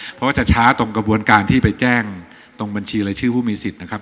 เพราะว่าจะช้าตรงกระบวนการที่ไปแจ้งตรงบัญชีรายชื่อผู้มีสิทธิ์นะครับ